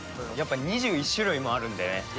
２１種類もあるのでね